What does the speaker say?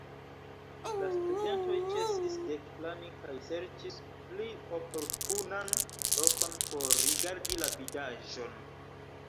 La studentoj ĉesis deklami kaj serĉis pli oportunan lokon por rigardi la vidaĵon.